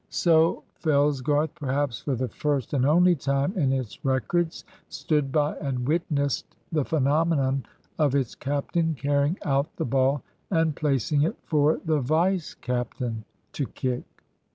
So Fellsgarth, perhaps for the first and only time in its records, stood by and witnessed the phenomenon of its captain carrying out the ball and placing it for the vice captain to kick.